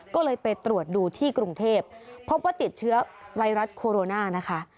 ก็เลยไปตรวจดูที่กรุงเทพพบว่าติดเชื้อไวรัสโคโรนานะคะ